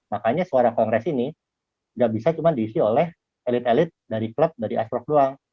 makanya suara kongres ini nggak bisa cuma diisi oleh elit elit dari klub dari asprof doang